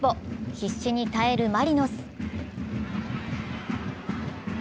必死に絶えるマリノス。